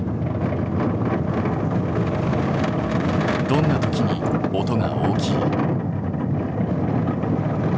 どんな時に音が大きい？